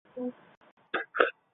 腹部可以看见粉红色的皮肤。